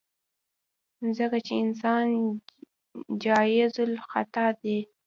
ځکه چې انسان جايزالخطا ديه.